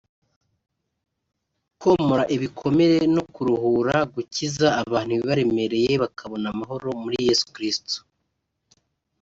komora ibikomere no kuruhura (gukiza) abantu ibibaremereye bakabona amahoro muri Yesu Kristo